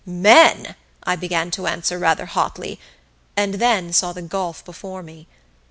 "Men!" I began to answer, rather hotly, and then saw the gulf before me.